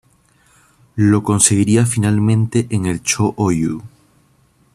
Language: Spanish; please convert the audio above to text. Lo conseguiría finalmente en el Cho Oyu.